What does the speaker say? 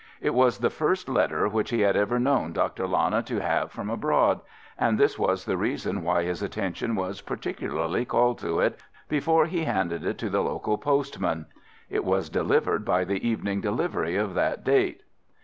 It was the first letter which he had ever known Dr. Lana to have from abroad, and this was the reason why his attention was particularly called to it before he handed it to the local postman. It was delivered by the evening delivery of that date.